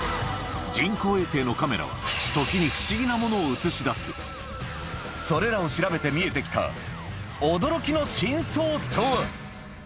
人工衛星のカメラは時に不思議なものを映し出すそれらを調べて見えて来た驚きの真相とは？